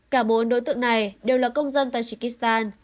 cả bốn đối tượng này đều là công dân tajikistan